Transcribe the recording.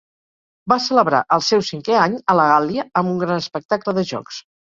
Va celebrar el seu cinquè any a la Gàl·lia amb un gran espectacle de jocs.